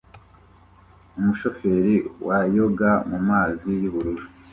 Umushoferi wa yoga mumazi yubururu